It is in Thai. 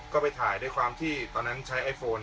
ก็ไปถ่ายด้วยความที่ตอนนั้นใช้ไอโฟน